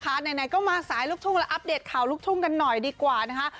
ไหนก็มาสายลูกทุ่งแล้วอัปเดตข่าวลูกทุ่งกันหน่อยดีกว่านะคะ